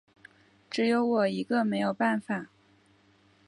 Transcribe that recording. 只有我一个没有办法